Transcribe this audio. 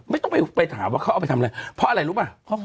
ไม่ต้องไปถามว่าเขาเอาไปทำอะไรเพราะอะไรรู้ป่ะ